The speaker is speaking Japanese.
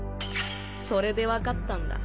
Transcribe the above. それでわかったんだ。